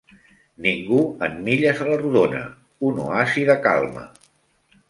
Ningú en milles a la rodona - un oasi de calma.